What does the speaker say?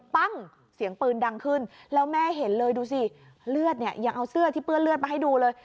เสียงปืนดังขึ้นแล้วแม่เห็นเลยดูสิเลือดเนี่ยยังเอาเสื้อที่เปื้อนเลือดมาให้ดูเลย